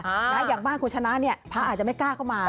อย่างบ้านคุณชนะเนี่ยพระอาจจะไม่กล้าเข้ามา